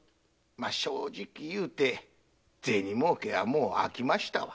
ま正直いうて銭儲けはもう飽きましたわ。